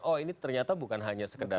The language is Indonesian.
oh ini ternyata bukan hanya sekedar